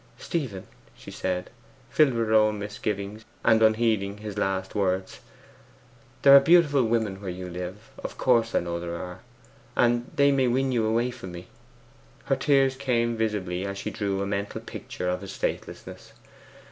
'Stephen,' she said, filled with her own misgivings, and unheeding his last words, 'there are beautiful women where you live of course I know there are and they may win you away from me.' Her tears came visibly as she drew a mental picture of his faithlessness.